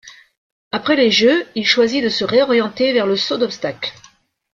Après les Jeux, il choisit de se réorienter vers le saut d'obstacles.